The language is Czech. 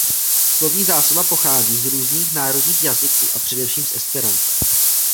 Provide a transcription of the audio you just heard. Slovní zásoba pochází z různých národních jazyků a především z esperanta.